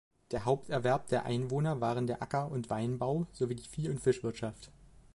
Der Haupterwerb der Einwohner waren der Acker- und Weinbau sowie die Vieh- und Fischwirtschaft.